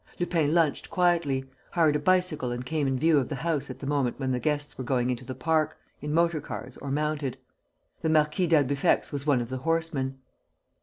Lupin lunched quietly, hired a bicycle and came in view of the house at the moment when the guests were going into the park, in motor cars or mounted. The Marquis d'Albufex was one of the horsemen.